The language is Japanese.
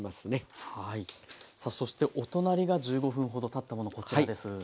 さあそしてお隣が１５分ほどたったものこちらです。